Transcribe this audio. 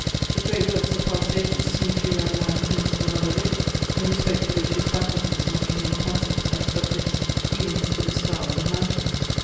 The great works of past ages seem to a young man things of another race, in respect to which his faculties must remain passive and submiss, even as to the stars and mountains.